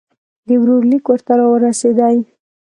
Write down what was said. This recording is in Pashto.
د ورور لیک ورته را ورسېدی.